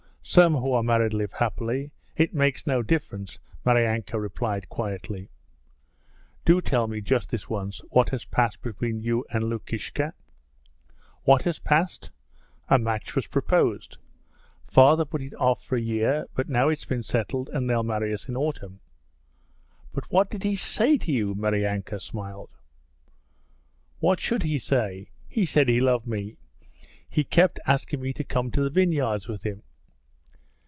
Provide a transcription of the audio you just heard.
Some who are married live happily. It makes no difference!' Maryanka replied quietly. 'Do tell me just this once what has passed between you and Lukishka?' 'What has passed? A match was proposed. Father put it off for a year, but now it's been settled and they'll marry us in autumn.' 'But what did he say to you?' Maryanka smiled. 'What should he say? He said he loved me. He kept asking me to come to the vineyards with him.'